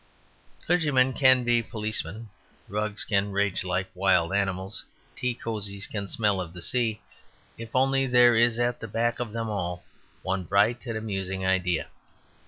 Clergymen can be policemen; rugs can rage like wild animals; tea cosies can smell of the sea; if only there is at the back of them all one bright and amusing idea.